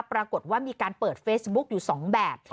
ปรากฏว่ามีการเปิดเฟซบุ๊กอยู่๒แบบ